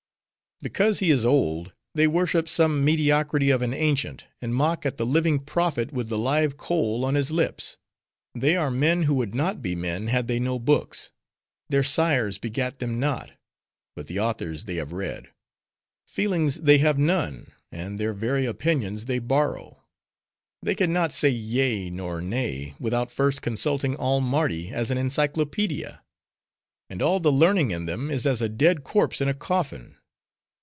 Because he is old, they worship some mediocrity of an ancient, and mock at the living prophet with the live coal on his lips. They are men who would not be men, had they no books. Their sires begat them not; but the authors they have read. Feelings they have none: and their very opinions they borrow. They can not say yea, nor nay, without first consulting all Mardi as an Encyclopedia. And all the learning in them, is as a dead corpse in a coffin.